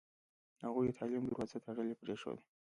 هغوی د تعلیم دروازه تړلې پرېښوده.